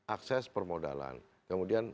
akses permodalan kemudian